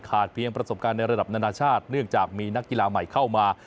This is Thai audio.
เพียงประสบการณ์ในระดับนานาชาติเนื่องจากมีนักกีฬาใหม่เข้ามา